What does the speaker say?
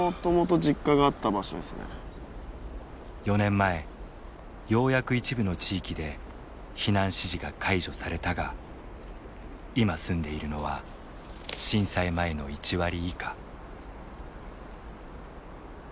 ４年前ようやく一部の地域で避難指示が解除されたが今住んでいるのは震災前の１割以下。